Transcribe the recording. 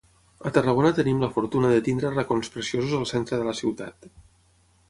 A Tarragona tenim la fortuna de tenir racons preciosos al centre de la ciutat.